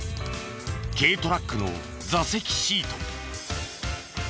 軽トラックの座席シート。